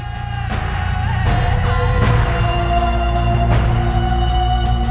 ketika saya menemukan istana porak poranda seperti ini